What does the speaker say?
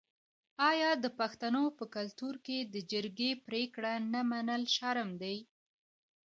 آیا د پښتنو په کلتور کې د جرګې پریکړه نه منل شرم نه دی؟